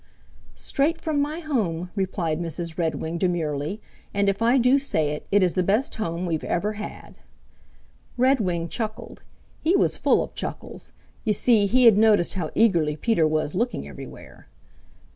"Straight from my home," replied Mrs. Redwing demurely. "And if I do say it, it is the best home we've ever had." Redwing chuckled. He was full of chuckles. You see, he had noticed how eagerly Peter was looking everywhere.